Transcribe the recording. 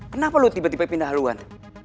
kenapa lo tiba tiba pindah haluan